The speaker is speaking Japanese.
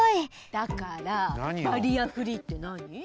だからバリアフリーってなに？